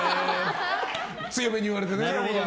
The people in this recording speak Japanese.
強めに言われてね。